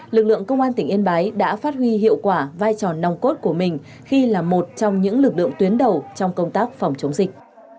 lực lượng công an tỉnh yên bái đã phát huy hiệu quả vai trò nòng cốt của mình khi là một trong những lực lượng tuyến đầu trong công tác phòng chống dịch